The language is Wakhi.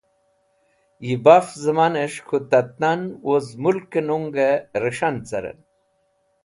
Yi Baf Zẽmanes̃h K̃hu Tat Nan woz Mulke Nunge Ris̃han caren